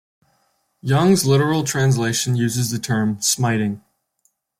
Young's Literal Translation uses the term "smiting".